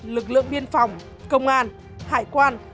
lực lượng biên phòng công an hải quan